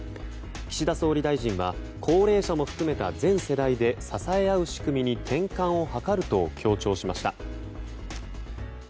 岸田総理大臣は高齢者も含めた全世代で支え合う仕組みに転嫁を図ると強調しました。